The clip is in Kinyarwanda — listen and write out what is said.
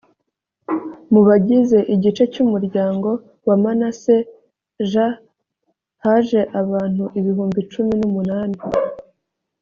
mu bagize igice cy umuryango wa manase j haje abantu ibihumbi cumi n umunani